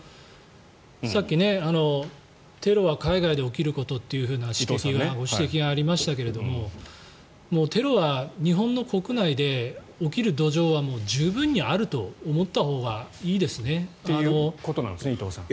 さっきテロは海外で起きることというご指摘がありましたけどテロは日本の国内で起きる土壌は十分にあると思ったほうがいいですね。ということですね伊藤さん。